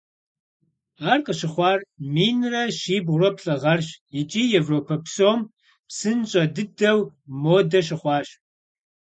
Ар къыщыхъуар минрэ щибгъурэ плӏы гъэрщ икӀи Европэ псом псынщӀэ дыдэу модэ щыхъуащ.